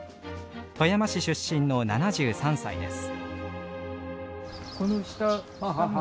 富山市出身の７３歳です。